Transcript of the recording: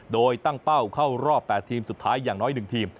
โดยตั้งเป้าเข้ารอบ๘ทีมสุดท้ายอย่างน้อย๑ทีม